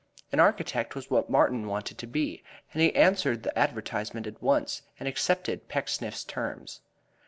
An architect was what Martin wanted to be, and he answered the advertisement at once and accepted Pecksniff's terms.